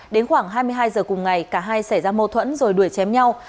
đến khoảng hai mươi hai giờ cùng ngày cả hai xảy ra mâu thuẫn rồi đuổi chém nhau